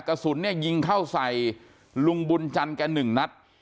กระสุนเนี่ยยิงเข้าใส่ลุงบุญจันทร์แกหนึ่งนัด